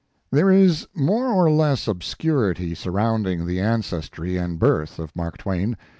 There is more or less obscurity sur rounding the ancestry and birth of Mark Twain.